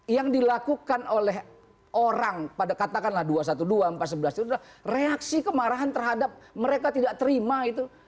yang dilakukan oleh orang pada katakanlah dua ratus dua belas empat ratus sebelas itu adalah reaksi kemarahan terhadap mereka tidak terima itu